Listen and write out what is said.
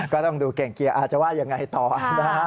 ก็ต้องดูเก่งเกียร์อาจจะว่ายังไงต่อนะฮะ